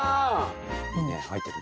いいね入ってるね。